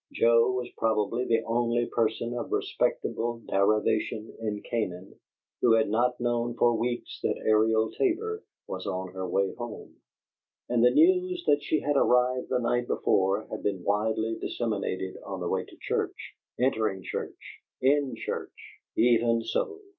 Joe was probably the only person of respectable derivation in Canaan who had not known for weeks that Ariel Tabor was on her way home. And the news that she had arrived the night before had been widely disseminated on the way to church, entering church, IN church (even so!)